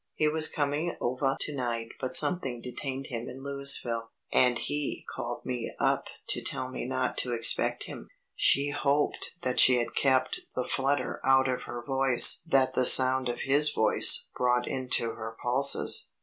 "He was coming ovah to night but something detained him in Louisville, and he called me up to tell me not to expect him." She hoped that she had kept the flutter out of her voice that the sound of his voice brought into her pulses.